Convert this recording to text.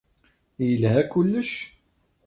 Yelha kullec?